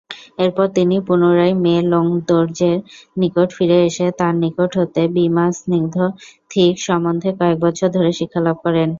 এরপর তিনি পুনরায় মে-লোং-র্দো-র্জের নিকট ফিরে এসে তার নিকট হতে বি-মা-স্ন্যিং-থিগ সম্বন্ধে কয়েক বছর ধরে শিক্ষালাভ করেন।